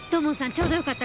ちょうどよかった。